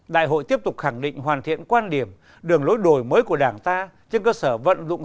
đại hội tiếp tục khẳng định hoàn thiện quan điểm đường lối đổi mới của đảng ta trên cơ sở vận dụng